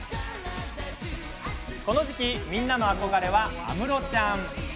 この時期、みんなの憧れは安室ちゃん。